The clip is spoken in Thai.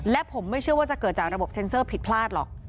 และผมไม่เชื่อว่าจะเกิดจากระบบเซ็นเซอร์ผิดพลาดหรอก